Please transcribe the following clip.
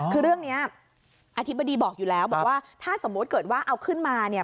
คือเรื่องนี้อธิบดีบอกอยู่แล้วบอกว่าถ้าสมมุติเกิดว่าเอาขึ้นมาเนี่ย